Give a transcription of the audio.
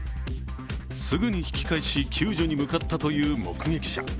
すぐに引き返し救助に向かったという目撃者。